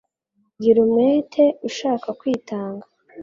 Bwira umwete ushaka kwitanga;